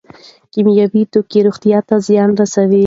کیمیاوي توکي روغتیا ته زیان رسوي.